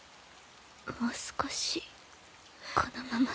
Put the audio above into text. もう少しこのままで。